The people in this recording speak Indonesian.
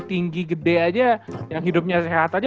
tinggi gede aja yang hidupnya sehat aja